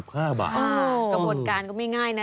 กระบวนการก็ไม่ง่ายนะ